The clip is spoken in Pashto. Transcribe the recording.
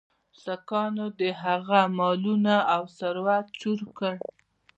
سیکهانو د هغه مالونه او ثروت چور کړ.